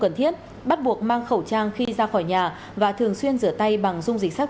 cần thiết bắt buộc mang khẩu trang khi ra khỏi nhà và thường xuyên rửa tay bằng dung dịch sát